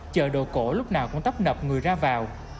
chợ đồ cổ lúc nào cũng tấp nập người ra vào